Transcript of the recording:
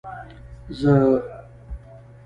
زه